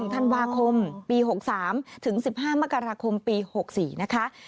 ธันวาคมปี๖๓ถึง๑๕มกราคมปี๖๔นะคะ